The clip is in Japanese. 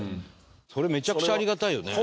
それめちゃくちゃありがたいよね。